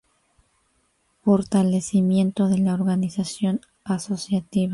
Fortalecimiento de la organización asociativa.